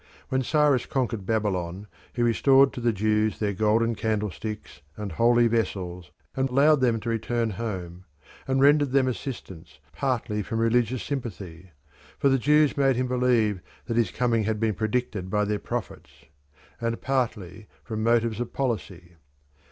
When Cyrus conquered Babylon he restored to the Jews their golden candlesticks and holy vessels, allowed them to return home, and rendered them assistance partly from religious sympathy for the Jews made him believe that his coming had been predicted by their prophets and partly from motives of policy.